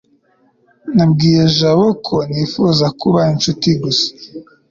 nabwiye jabo ko nifuzaga kuba inshuti gusa